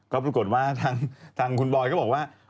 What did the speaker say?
ก็ปรากฏว่าทางคุณบอยก็บอกว่า